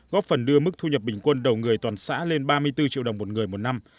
góp phần đưa mức thu nhập bình quân đầu người toàn xã lên ba mươi bốn triệu đồng một người một năm